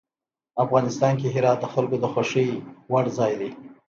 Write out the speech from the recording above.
افغانستان کې هرات د خلکو د خوښې وړ ځای دی.